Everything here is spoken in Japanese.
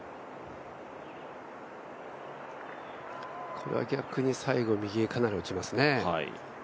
これは逆に、最後右へかなり落ちますね。